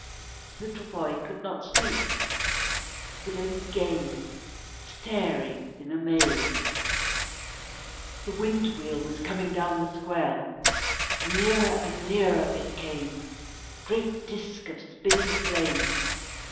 The little boy could not speak, he could only gaze, staring in amaze. The wind wheel was coming down the square. Nearer and nearer it came, a great disk of spinning flame.